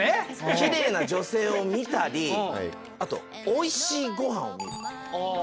奇麗な女性を見たりあとおいしいごはんを見る。